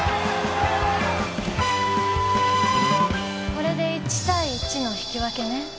これで１対１の引き分けね。